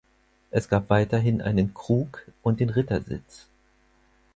Es gab weiterhin einen Krug und den Rittersitz.